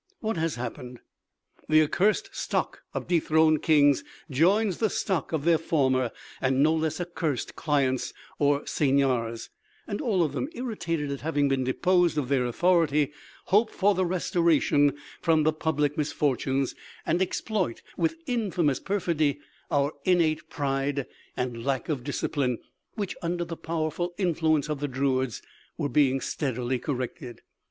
What has happened? The accursed stock of dethroned kings joins the stock of their former and no less accursed clients or seigneurs, and all of them, irritated at having been deposed of their authority, hope for restoration from the public misfortunes, and exploit with infamous perfidy our innate pride and lack of discipline, which, under the powerful influence of the druids, were being steadily corrected.